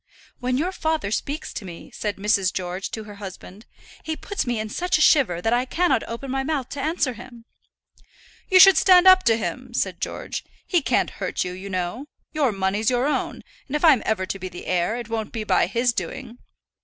"When your father speaks to me," said Mrs. George to her husband, "he puts me in such a shiver that I cannot open my mouth to answer him." "You should stand up to him," said George. "He can't hurt you, you know. Your money's your own; and if I'm ever to be the heir, it won't be by his doing."